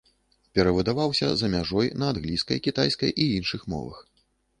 Перавыдаваўся за мяжой на англійскай, кітайскай і іншых мовах.